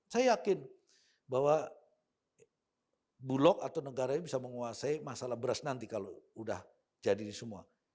saya yakin bahwa bulog atau negara ini bisa menguasai masalah beras nanti kalau udah jadi ini semua